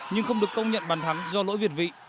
nhưng không được công nhận bàn thắng do lỗi việt vị